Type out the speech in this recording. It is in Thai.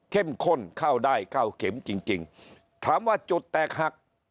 ข้นเข้าได้เก้าเข็มจริงจริงถามว่าจุดแตกหัก